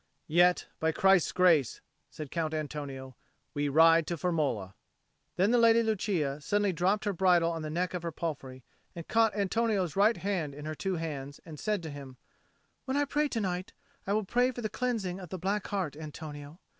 "Yet, by Christ's grace," said Count Antonio, "we ride to Firmola." Then the Lady Lucia suddenly dropped her bridle on the neck of her palfrey and caught Antonio's right hand in her two hands and said to him, "When I pray to night, I will pray for the cleansing of the black heart, Antonio.